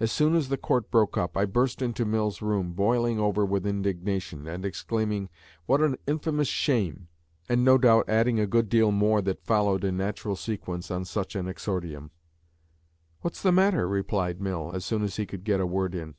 As soon as the Court broke up, I burst into Mill's room, boiling over with indignation, and exclaiming, "What an infamous shame!" and no doubt adding a good deal more that followed in natural sequence on such an exordium. "What's the matter?" replied Mill as soon as he could get a word in.